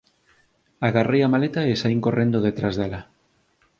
Agarrei a maleta e saín correndo detrás dela.